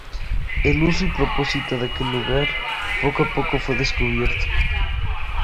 El uso y propósito de aquel lugar, poco a poco fue descubierto.